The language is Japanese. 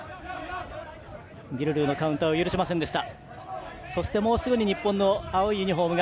ビルルーのカウンターを許しませんでした。